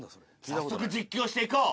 早速実況して行こう。